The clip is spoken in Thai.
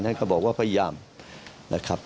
ก็บอกว่าพยายามนะครับ